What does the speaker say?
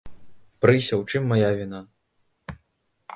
Прыся, у чым мая віна?